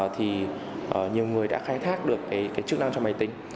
thì nhiều người đã khai thác được cái chức năng trong máy tính